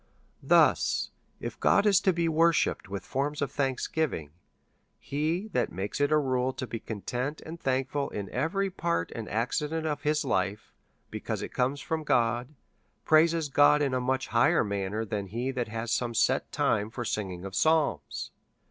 Thus, if God is to be worshipped with forms of thanksgiving, he that makes it a rule to be content and thankful in every part and accident of his life, because it comes from God, praises God in a much higher manner than he that has some set time for singing of psalms.